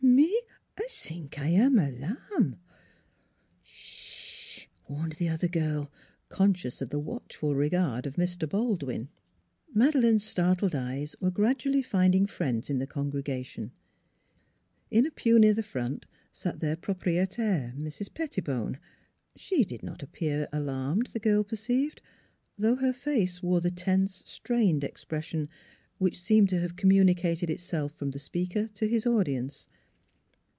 " Me I sink I am alarm." " Sh !" warned the other girl, conscious of the watchful regard of Mr. Baldwin. Madeleine's startled eyes were gradually find ing friends in the congregation; in a pew near the front sat their proprietaire, Mrs. Pettibone. She did not appear alarmed, the girl perceived, though her face wore the tense, strained expres sion which seemed to have communicated itself from the speaker to his audience.